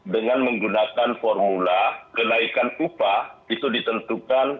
dengan menggunakan formula kenaikan upah itu ditentukan